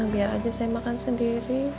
biar aja saya makan sendiri